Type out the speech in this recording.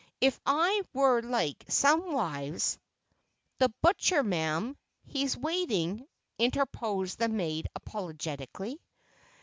"If I were like some wives—" "The butcher, ma'am—he's waiting," interposed the maid apologetically.